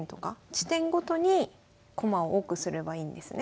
地点ごとに駒を多くすればいいんですね？